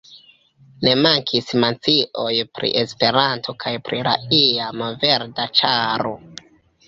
Ne mankis mencioj pri Esperanto kaj pri la iama Verda Ĉaro.